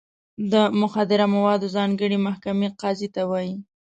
د مخدره موادو د ځانګړې محکمې قاضي ته وایي.